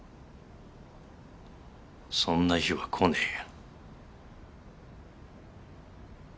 そんな日は来ねえよ。